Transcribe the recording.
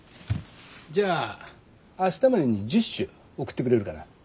じゃあ明日までに１０首送ってくれるかな。